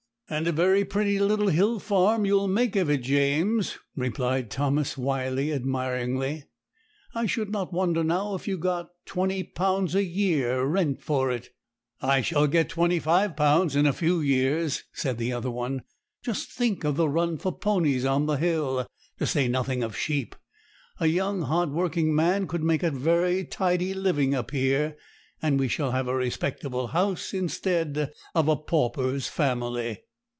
'And a very pretty little hill farm you'll make of it, James,' replied Thomas Wyley admiringly. 'I should not wonder now if you got £20 a year rent for it.' 'I shall get £25 in a few years,' said the other one: 'just think of the run for ponies on the hill, to say nothing of sheep. A young, hard working man could make a very tidy living up here; and we shall have a respectable house, instead of a pauper's family.'